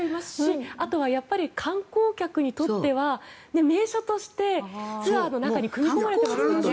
あとは観光客にとっては名所としてツアーの中に組み込まれるので。